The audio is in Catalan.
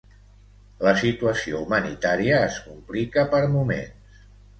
La situació humanitària es complica per moments.